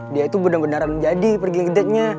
dia tuh bener beneran jadi per geng gedenya